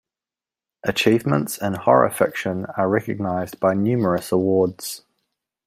Achievements in horror fiction are recognized by numerous awards.